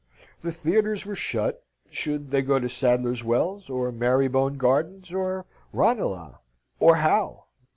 The theatres were shut. Should they go to Sadler's Wells? or Marybone Gardens? or Ranelagh? or how?